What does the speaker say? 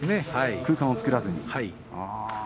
空間を作らずに。